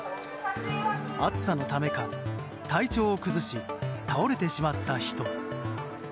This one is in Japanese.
暑さのためか体調を崩し、倒れてしまった人。